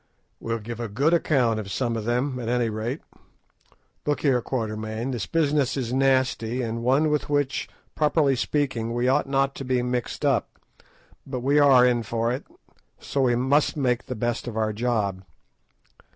"We'll give a good account of some of them, at any rate. Look here, Quatermain, this business is nasty, and one with which, properly speaking, we ought not to be mixed up, but we are in for it, so we must make the best of our job.